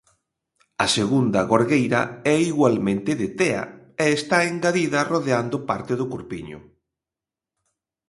A segunda gorgueira é igualmente de tea e está engadida rodeando parte do corpiño.